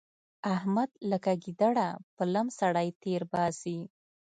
احمد لکه ګيدړه په لم سړی تېرباسي.